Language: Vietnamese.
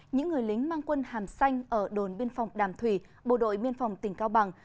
những người lính mang quân hàm xanh ở đồn biên phòng đàm thủy bộ đội biên phòng tỉnh cao bằng